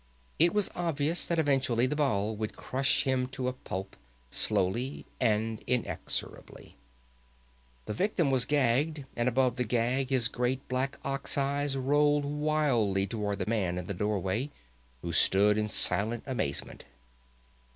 It was obvious that eventually the ball would crush him to a pulp, slowly and inexorably. The victim was gagged, and above the gag his great black ox eyes rolled wildly toward the man in the doorway, who stood in silent amazement.